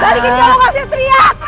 balikin jangan kasih teriak